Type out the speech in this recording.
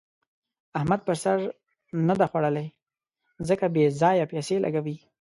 احمد پر سر نه ده خوړلې؛ ځکه بې ځايه پيسې لګوي.